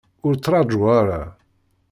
Ur ttṛaju ara.